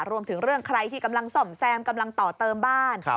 รวมถึงเรื่องใครที่กำลังซ่อมแซมกำลังต่อเติมบ้าน